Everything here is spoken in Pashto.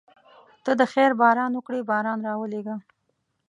ته د خیر باران وکړې باران راولېږه.